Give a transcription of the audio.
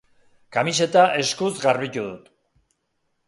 Kamiseta eskuz garbitu dut.